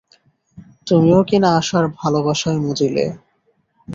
তুমিও কিনা আশার ভালোবাসায় মজিলে।